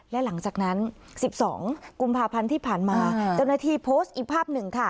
และหลังจากนั้น๑๒กุมภาพันธ์ที่ผ่านมาเจ้าหน้าที่โพสต์อีกภาพหนึ่งค่ะ